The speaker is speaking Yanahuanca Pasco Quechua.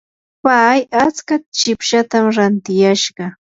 pay atska chipsatam rantiyashqa.